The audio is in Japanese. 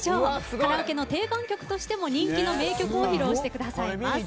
カラオケの定番曲としても人気の楽曲を披露してくださいます。